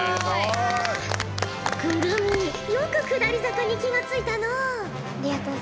来泉よく下り坂に気が付いたのう。